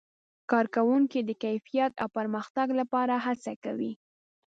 کارکوونکي د کیفیت او پرمختګ لپاره هڅه کوي.